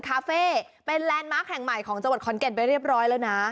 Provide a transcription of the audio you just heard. คาเฟ่เป็นแลนด์มาร์คแห่งใหม่ของจังหวัดขอนแก่นไปเรียบร้อยแล้วนะ